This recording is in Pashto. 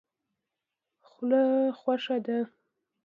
خوله خوښه ده.